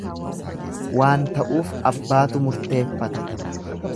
Waan ta'uuf abbaatu murteeffata.